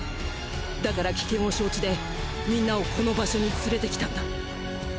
だから危険を承知でみんなをこの場所に連れて来たんだ。